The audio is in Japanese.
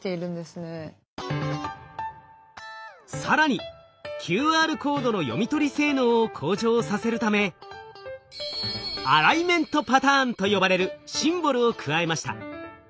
更にＱＲコードの読み取り性能を向上させるためアライメントパターンと呼ばれるシンボルを加えました。